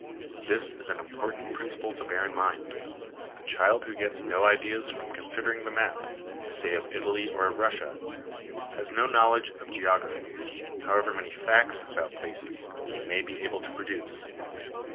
This is an important principle to bear in mind. The child who gets no ideas from considering the map, say of Italy or of Russia, has no knowledge of geo graphy, however many facts about places he may be able to produce.